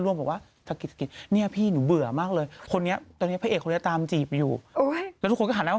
แล้วทุกคนก็หาหน้ามามองกันว่า